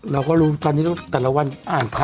เราก็รู้ว่าตัวละวันอ่านค่ะ